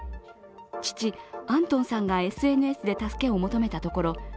父・アントンさんがＳＮＳで助けを求めたところ